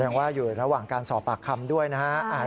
ว่าอยู่ระหว่างการสอบปากคำด้วยนะฮะ